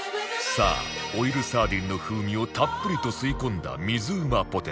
さあオイルサーディンの風味をたっぷりと吸い込んだ水うまポテト